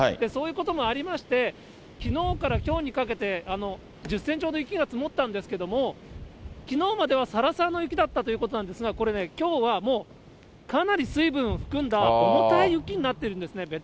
そういうこともありまして、きのうからきょうにかけて、１０センチほど雪が積もったんですけれども、きのうまではさらさらの雪だったということなんですが、これね、きょうはもう、かなり水分を含んだ重たい雪になっているんですね。